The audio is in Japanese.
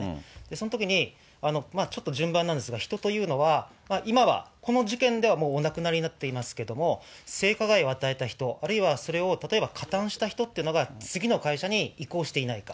そのときに、ちょっと順番なんですが、人というのは、今はこの事件ではもうお亡くなりになってますけれども、性加害を与えた人、あるいはそれを例えば加担した人っていうのが次の会社に移行していないか。